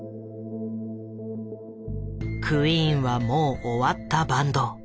「クイーンはもう終わったバンド」。